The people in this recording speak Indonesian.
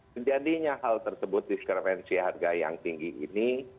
sejadinya hal tersebut diskrevensi harga yang tinggi ini